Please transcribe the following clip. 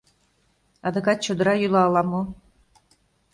Адакат чодыра йӱла ала-мо.